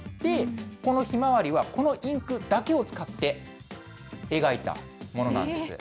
このひまわりは、このインクだけを使って描いたものなんです。